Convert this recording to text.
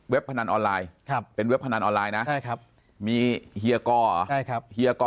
เว็บพนันออนไลน์ครับเป็นเว็บพนันออนไลน์นะครับมีเฮียก่อเฮียก่อ